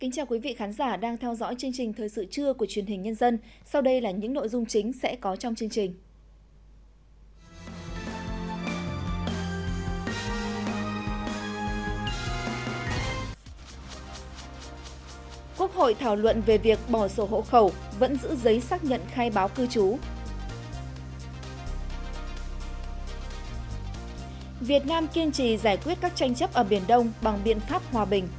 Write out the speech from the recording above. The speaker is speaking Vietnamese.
chào các khán giả đang theo dõi chương trình thời sự trưa của truyền hình nhân dân sau đây là những nội dung chính sẽ có trong chương trình